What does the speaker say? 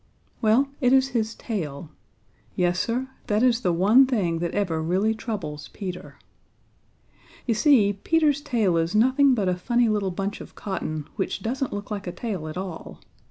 Well, it is his tail. Yes, Sir, that is the one thing that ever really troubles Peter. You see, Peter's tail is, nothing but a funny little bunch of cotton, which doesn't look like a tail at all.